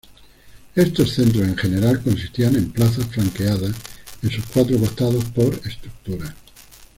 Estos centros en general consistían en plazas flanqueadas, en sus cuatro costados, por estructuras.